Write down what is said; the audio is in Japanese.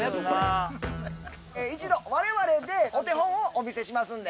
一度我々でお手本をお見せしますんで。